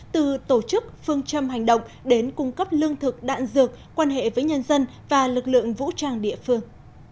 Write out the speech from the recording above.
từ tổ chức phương châm hành động đến cung cấp lương thực đạn dược quan hệ với nhân dân và lực lượng vũ trang địa phương